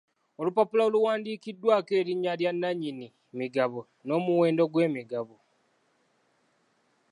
Olupapula oluwandiikiddwako erinnya lya nannyini migabo n'omuwendo gw'emigabo.